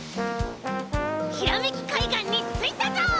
ひらめきかいがんについたぞ！